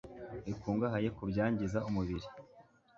bikungahaye ku byangiza umubiri